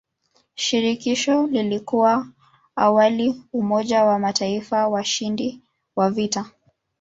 Shirikisho lilikuwa awali umoja wa mataifa washindi wa vita.